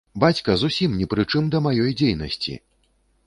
Бацька зусім ні пры чым да маёй дзейнасці!